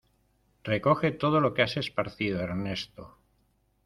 ¡Recoge todo lo que has esparcido, Ernesto!